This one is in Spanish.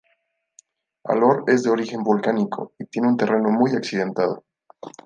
Alor es de origen volcánico y tiene un terreno muy accidentado.